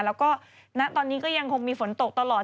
แล้วก็ณตอนนี้ก็ยังคงมีฝนตกตลอด